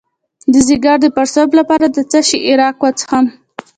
د ځیګر د پړسوب لپاره د څه شي عرق وڅښم؟